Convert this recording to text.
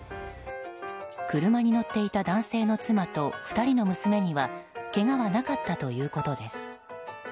車に乗っていた男性の妻と２人の娘にはけがはなかったということです。